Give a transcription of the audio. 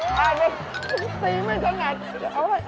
ตานี้ตีไม่สนัท